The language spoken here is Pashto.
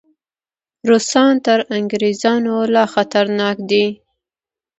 روسان تر انګریزانو لا خطرناک دي.